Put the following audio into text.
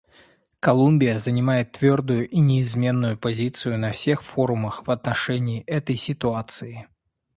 Колумбия занимает твердую и неизменную позицию на всех форумах в отношении этой ситуации.